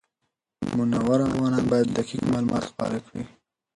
منور افغانان باید دقیق معلومات خپاره کړي.